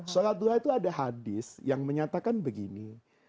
sholat duha itu ada hadis yang menyatakan begini